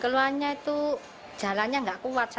keluhannya itu jalannya nggak kuat